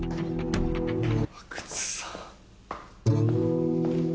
阿久津さん。